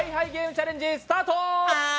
チャレンジスタート。